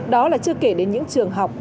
đó là chưa kể đến những trường học